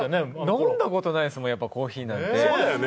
飲んだことないですもん、コーヒーなんて。